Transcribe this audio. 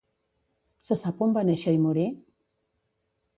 Se sap on va néixer i morir?